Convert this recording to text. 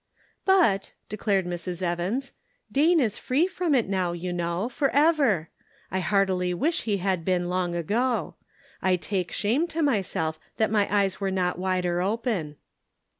"But," declared Mrs. Evans, "Dane is free from it now, you know, forever. I heartily wish he had been long ago. I take shame to myself that my eyes were not wider open."